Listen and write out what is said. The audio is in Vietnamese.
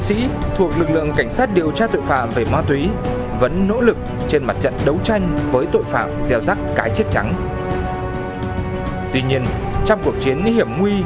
các lực lượng cảnh sát điều tra tội phạm về ma túy đã phối hợp cùng các lực lượng chức năng phát hiện và bắt giữ một trăm một mươi năm viên ma túy